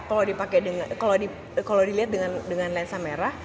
kalau dilihat dengan lensa merah